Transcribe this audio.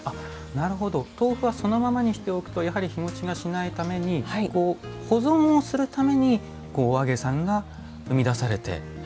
なるほど豆腐はそのままにしておくとやはり日もちがしないために保存をするためにお揚げさんが生み出されて。